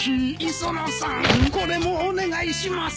磯野さんこれもお願いします！